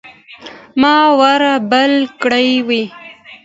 ما اور بل کړی و.